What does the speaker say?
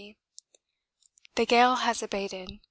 The gale has abated.